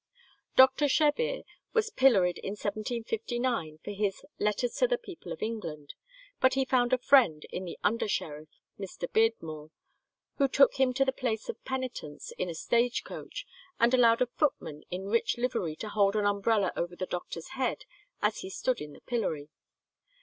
Doctor Shebbeare was pilloried in 1759, for his "Letters to the People of England." But he found a friend in the under sheriff, Mr. Beardmore, who took him to the place of penitence, in a stage coach, and allowed a footman in rich livery to hold an umbrella over the doctor's head, as he stood in the pillory.